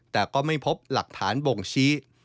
แต่ก็ไม่พบหลักฐานบ่งชี้